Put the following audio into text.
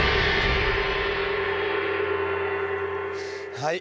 はい。